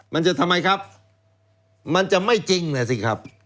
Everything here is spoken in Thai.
มันจะทำไมครับมันจะไม่จริงนะสิครับ